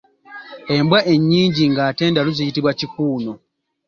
Embwa ennyingi ng’ate ndalu ziyitibwa Kikuuno.